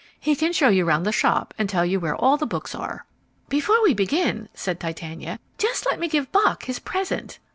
He can show you round the shop and tell you where all the books are." "Before we begin," said Titania, "just let me give Bock his present."